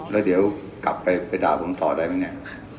แล้วเดี๋ยวกลับไปด่าบรมศาลได้มั้ยเนี่ย